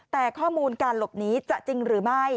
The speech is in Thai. แต่ข้อมูลการหลบหนีจะจริงหรือไม่